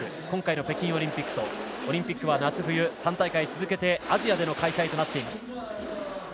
今回の北京オリンピックとオリンピックは夏冬３大会続けてアジアでの開催です。